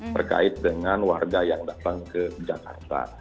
terkait dengan warga yang datang ke jakarta